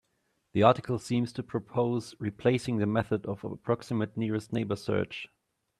The article seems to propose replacing the method of approximate nearest neighbor search.